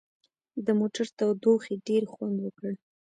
د موټر تودوخې ډېر خوند وکړ.